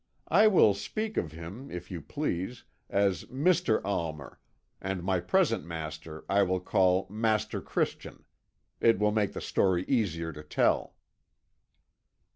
I will speak of him, if you please, as Mr. Almer, and my present master I will call Master Christian; it will make the story easier to tell.